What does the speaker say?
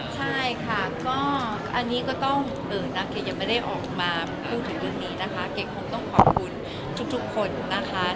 ใช่ค่ะก็อันนี้ก็ต้องนักเกดยังไม่ได้ออกมาพูดถึงเรื่องนี้นะคะเกดคงต้องขอบคุณทุกคนนะคะ